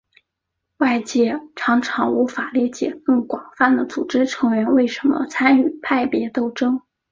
外界常常无法理解更广泛的组织成员为什么参与派别斗争。